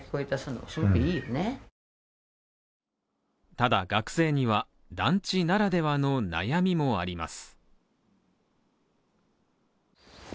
ただ、学生には団地ならではの悩みもあります。